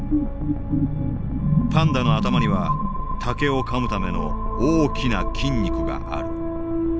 パンダの頭には竹をかむための大きな筋肉がある。